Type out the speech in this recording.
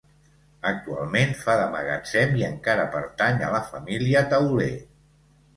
Actualment fa de magatzem i encara pertany a la família Tauler.